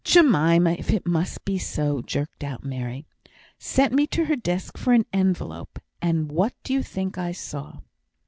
"Jemima, if it must be so," jerked out Mary, "sent me to her desk for an envelope, and what do you think I saw?"